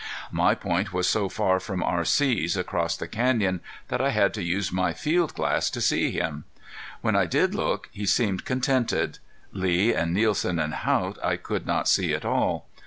My point was so far from R.C.'s, across the canyon, that I had to use my field glass to see him. When I did look he seemed contented. Lee and Nielsen and Haught I could not see at all.